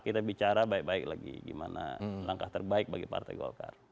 kita bicara baik baik lagi gimana langkah terbaik bagi partai golkar